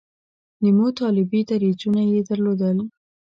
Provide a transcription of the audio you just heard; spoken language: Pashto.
نیمو طالبي دریځونه یې درلودل.